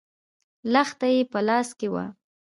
لښته يې په لاس کې وه.